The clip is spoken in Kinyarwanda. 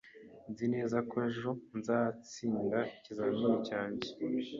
Nzi neza ko ejo ntazatsinda ikizamini cyanjye.